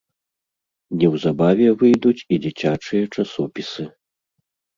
Неўзабаве выйдуць і дзіцячыя часопісы.